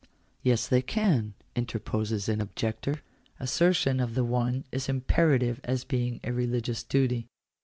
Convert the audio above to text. " Yes they can," interposes an objector ;" assertion of the one is imperative as being a religious duty.